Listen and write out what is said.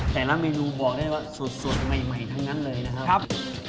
แต่ละเมนูบอกได้ว่าสดใหม่ทั้งนั้นเลยนะครับ